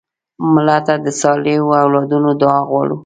مړه ته د صالحو اولادونو دعا غواړو